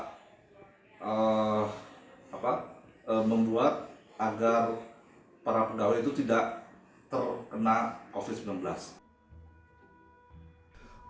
kita membuat agar para pegawai itu tidak terkena covid sembilan belas